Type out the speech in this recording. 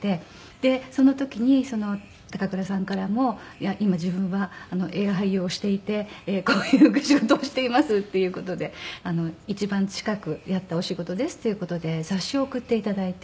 でその時に高倉さんからも「今自分は映画俳優をしていてこういう仕事をしています」っていう事で「一番近くやったお仕事です」っていう事で雑誌を送って頂いて。